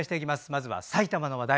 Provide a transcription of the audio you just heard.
まずは埼玉の話題。